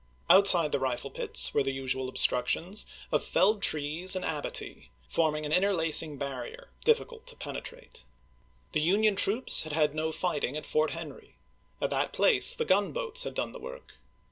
Outside the rifle pits were the usual obstructions of felled trees and abatis, forming an interlacing barrier difficult to penetrate. Vol. v.— 13 194 ABRAHAM LINCOLN Chat. XI. The Uuiou troops had had no fighting at Fort Henry; at that place the gunboats had done the Tvork.